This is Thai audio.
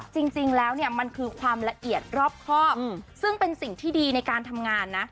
จริงแล้วเนี่ยมันคือความละเอียดรอบครอบซึ่งเป็นสิ่งที่ดีในการทำงานนะ